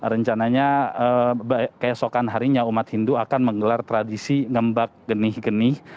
rencananya keesokan harinya umat hindu akan menggelar tradisi ngembak genih genih